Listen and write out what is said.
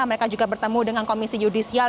mereka juga bertemu dengan komisi yudisial